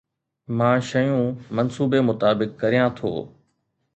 مان شيون منصوبي مطابق ڪريان ٿو